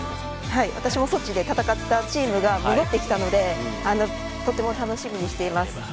私もソチで戦ったチームが戻ってきたのでとても楽しみにしています。